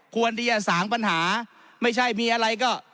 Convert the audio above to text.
ควรที่จะสางปัญหาไม่ใช่มีอะไรก็